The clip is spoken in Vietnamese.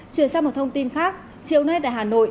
chuyển sang một thông tin khác chiều nay tại hà nội